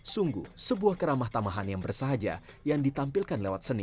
sungguh sebuah keramah tamahan yang bersahaja yang ditampilkan lewat seni